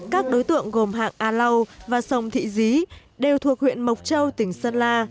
các đối tượng gồm hạng a lau và sông thị dí đều thuộc huyện mộc châu tỉnh sơn la